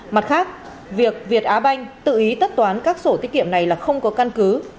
mặt khác việc việt á banh tự ý tất toán các sổ tiết kiệm này là không có căn cứ